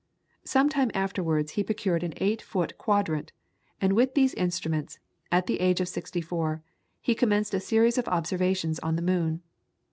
Some time afterwards he procured an eight foot quadrant, and with these instruments, at the age of sixty four, he commenced a series of observations on the moon.